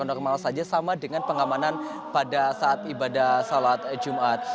normal saja sama dengan pengamanan pada saat ibadah sholat jumat